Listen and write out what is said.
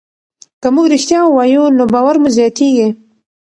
که موږ ریښتیا ووایو نو باور مو زیاتېږي.